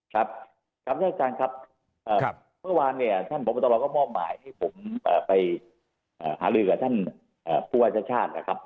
ครับครับท่านอาจารย์ครับเมื่อวานเนี่ยท่านพบตรก็มอบหมายให้ผมไปหาลือกับท่านผู้ว่าชาติชาตินะครับ